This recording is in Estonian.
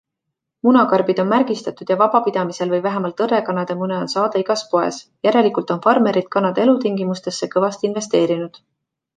Munakarbid on märgistatud ja vabapidamisel või vähemalt õrrekanade mune on saada igas poes - järelikult on farmerid kanade elutingimustesse kõvasti investeerinud.